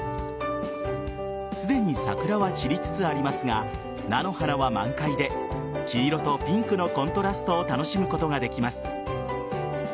すでに桜は散りつつありますが菜の花は満開で黄色とピンクのコントラストを楽しむことができます。